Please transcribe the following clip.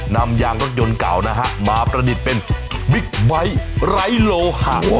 นำยางรถยนต์เก่านะฮะมาประดิษฐ์เป็นบิ๊กไบท์ไร้โลหะ